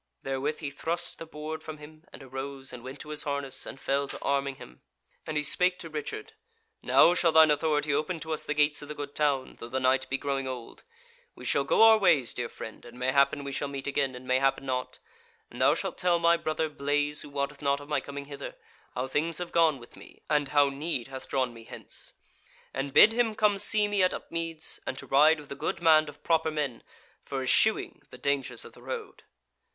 Therewith he thrust the board from him, and arose and went to his harness, and fell to arming him, and he spake to Richard: "Now shall thine authority open to us the gates of the good town, though the night be growing old; we shall go our ways, dear friend, and mayhappen we shall meet again, and mayhappen not: and thou shalt tell my brother Blaise who wotteth not of my coming hither, how things have gone with me, and how need hath drawn me hence. And bid him come see me at Upmeads, and to ride with a good band of proper men, for eschewing the dangers of the road."